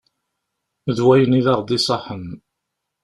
D wayen i d aɣ d-iṣaḥen.